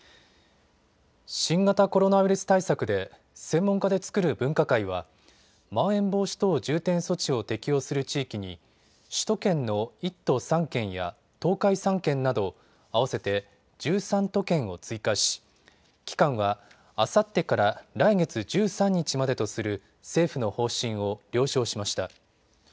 新型コロナウイルス対策で専門家で作る分科会はまん延防止等重点措置を適用する地域に首都圏の１都３県や東海３県など合わせて１３都県を追加し期間はあさってから来月１３日までとする政府の方針を了承しました。